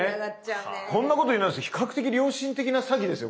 こんなこと言うのあれなんですけど比較的良心的な詐欺ですよ